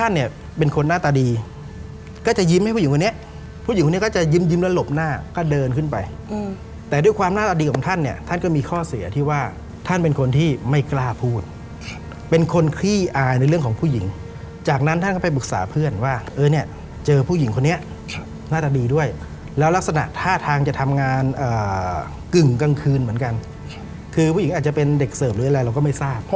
หน้าตาดีก็จะยิ้มให้ผู้หญิงคนนี้ผู้หญิงคนนี้ก็จะยิ้มยิ้มแล้วหลบหน้าก็เดินขึ้นไปอืมแต่ด้วยความหน้าตาดีของท่านเนี้ยท่านก็มีข้อเสียที่ว่าท่านเป็นคนที่ไม่กล้าพูดใช่เป็นคนขี้อายในเรื่องของผู้หญิงจากนั้นท่านก็ไปปรึกษาเพื่อนว่าเออเนี้ยเจอผู้หญิงคนนี้ใช่หน้าตาดีด้วยแล้วลักษณะท่าทางจะท